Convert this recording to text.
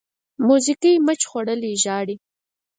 موزیګی مچ خوړلی ژاړي.